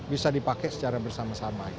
bisa dipakai secara bersama sama